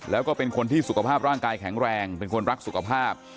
แล้วก็เป็นคนที่สุขภาพร่างกายแข็งแรงเป็นคนรักสุขภาพ